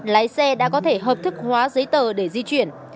lái xe đã có thể hợp thức hóa giấy tờ để di chuyển